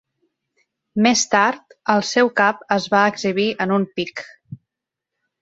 Més tard, el seu cap es va exhibir en un pic.